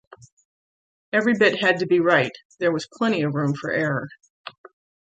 Every bit had to be right; there was plenty of room for error.